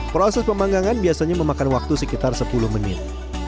proses pemanggangan biasanya memakan waktu sekitar sepuluh menit